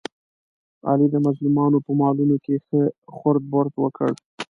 علي د مظلومانو په مالونو کې ښه خورد برد وکړ.